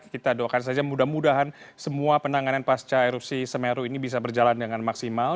kita doakan saja mudah mudahan semua penanganan pasca erupsi semeru ini bisa berjalan dengan maksimal